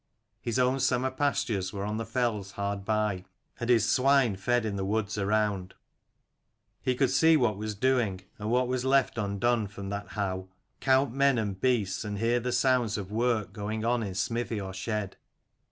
His own summer pastures were on the fells hard by, and his swine fed in the woods around. He could see what was doing, and what was left undone, from that howe: count men and beasts, and hear the sounds of work going on in smithy or shed.